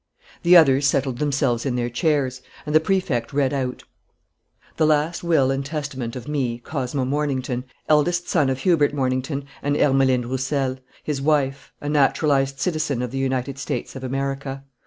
The others settled themselves in their chairs; and the Prefect read out: "The last will and testament of me, Cosmo Mornington, eldest son of Hubert Mornington and Ermeline Roussel, his wife, a naturalized citizen of the United States of America.